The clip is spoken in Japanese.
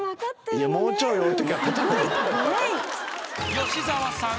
［吉沢さん。